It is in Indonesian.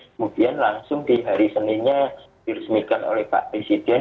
kemudian langsung di hari seninnya diresmikan oleh pak presiden